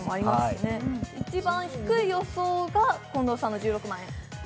一番低い予想が近藤さんの１６万円。